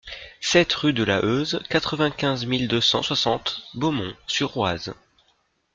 sept rue de la Heuse, quatre-vingt-quinze mille deux cent soixante Beaumont-sur-Oise